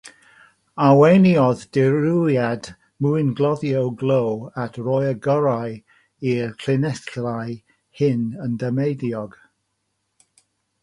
Arweiniodd dirywiad mwyngloddio glo at roi'r gorau i'r llinellau hyn yn dameidiog.